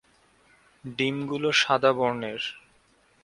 ডিমগুলো সাদা বর্ণের।